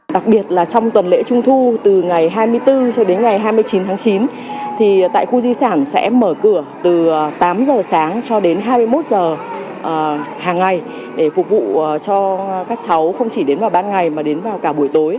đặc biệt là trong tuần lễ trung thu từ ngày hai mươi bốn cho đến ngày hai mươi chín tháng chín thì tại khu di sản sẽ mở cửa từ tám giờ sáng cho đến hai mươi một h hàng ngày để phục vụ cho các cháu không chỉ đến vào ban ngày mà đến vào cả buổi tối